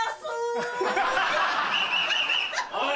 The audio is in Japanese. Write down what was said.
おい！